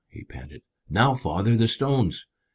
he panted. "Now, father, the stones!"